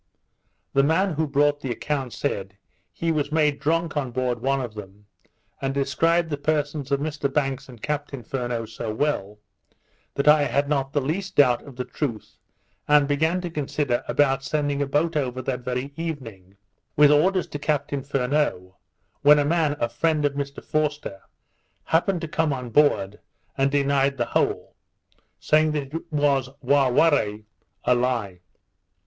The man who brought the account said, he was made drunk on board one of them, and described the persons of Mr Banks and Captain Furneaux so well, that I had not the least doubt of the truth, and began to consider about sending a boat over that very evening with orders to Captain Furneaux, when a man, a friend of Mr Forster, happened to come on board and denied the whole, saying it was wà warre, a lie.